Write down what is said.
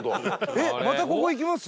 えっまたここ行きます？